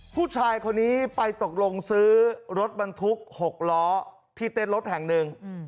ผู้ชายคนนี้ไปตกลงซื้อรถบรรทุก๖ล้อที่เต้นรถแห่งหนึ่ง